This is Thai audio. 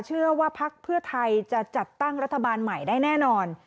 เชื่อว่าภักดิ์เพื่อไทยจะจัดตั้งรัฐบาลใหม่ได้แน่นอน